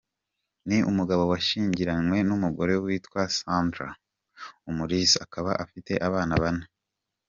Ni umugabo washyingiranywe n’umugore witwa Sandra Umulisa akaba afite abana bane.